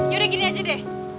yaudah gini aja deh